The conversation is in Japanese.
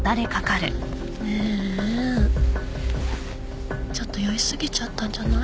ねえちょっと酔い過ぎちゃったんじゃない？